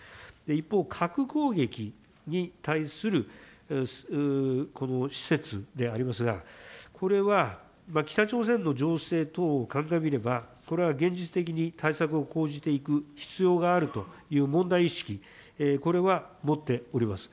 一方、核攻撃に対するこの施設でありますが、これは北朝鮮の情勢等を鑑みれば、これは現実的に対策を講じていく必要があるという問題意識、これは持っております。